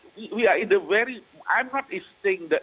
saya tidak mengatakan ini posisi yang bagus